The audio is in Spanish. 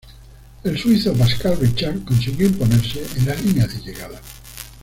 El suizo Pascal Richard consiguió imponerse en la línea de llegada.